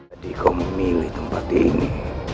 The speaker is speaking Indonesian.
jadi kau memilih tempat ini